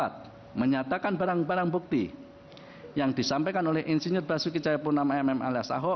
d menyatakan barang barang bukti yang disampaikan oleh insinyur basuki cahayapurnama mm alias ahok